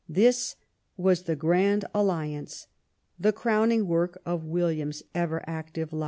This was the Grand Alliance, the crowning work of William's ever active life.